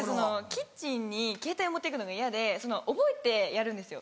キッチンにケータイを持って行くのが嫌で覚えてやるんですよ